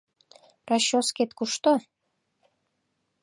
— Расческет кушто?